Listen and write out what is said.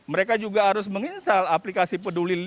mereka juga harus menginstal aplikasi peduli lindungi